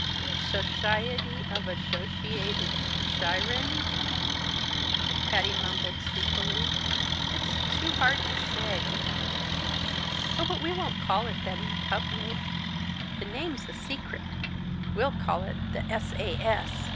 "The Sho shiety of Ash sho she ated Shi rens," Patty mumbled sleepily. "It's too hard to say." "Oh, but we won't call it that in public. The name's a secret. We'll call it the S. A. S."